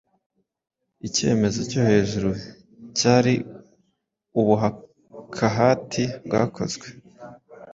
Icyemezo cyo hejuru cyari ubuhakahati bwakozwe